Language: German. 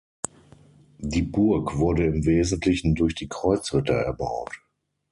Die Burg wurde im Wesentlichen durch die Kreuzritter erbaut.